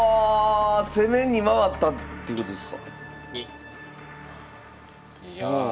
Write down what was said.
攻めに回ったってことですか？